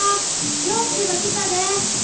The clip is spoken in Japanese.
涼介が来たで！